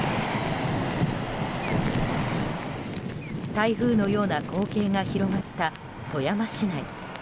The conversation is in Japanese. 台風のような光景が広がった富山市内。